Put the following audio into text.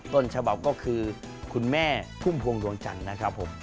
ต้นฉบับก็คือคุณแม่พุ่มพวงดวงจันทร์นะครับผม